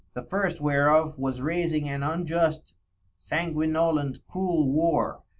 The first whereof was raising an unjust, sanguinolent, cruel War.